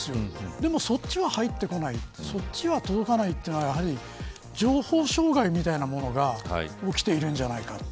でも、そっちは入ってこないこっちは届かないのは情報障害みたいなものが起きているんじゃないか。